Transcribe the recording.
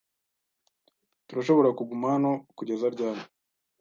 Turashobora kuguma hano kugeza ryari?